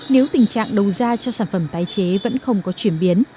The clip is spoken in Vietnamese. nếu tình trạng đầu ra cho sản phẩm tái chế vẫn không có chuyển biến